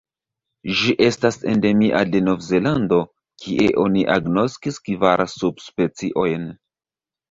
Ĝi estas endemia de Novzelando, kie oni agnoskis kvar subspeciojn.